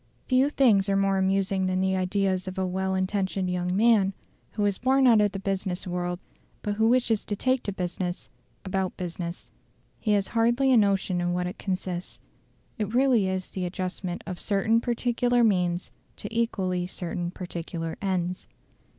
Few things are more amusing than the ideas of a well intentioned young man, who is born out of the business world, but who wishes to take to business, about business. He has hardly a notion in what it consists. It really is the adjustment of certain particular means to equally certain particular ends.